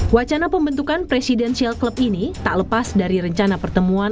wacana pembentukan presidential club ini tak lepas dari rencana pertemuan